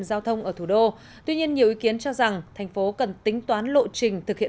giao thông ở thủ đô tuy nhiên nhiều ý kiến cho rằng thành phố cần tính toán lộ trình thực hiện